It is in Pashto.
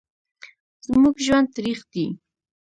زموږ ژوند تریخ دی